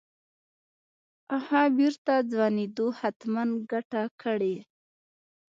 اها بېرته ځوانېدو حتمن ګته کړې.